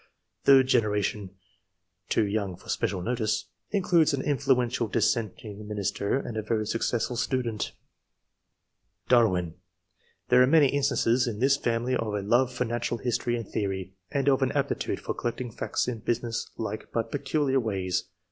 Third generation (too young for special notice) includes an influential dissenting minister and a very successful student. I.] ANTECEDENTS. 45 Darwin. — There are many instances in this family of a love for natural history and theory, and of an aptitude for collecting facts in business like but peculiar ways.